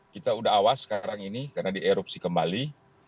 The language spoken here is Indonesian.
kita sudah awas sekarang ini karena di erupsi kembali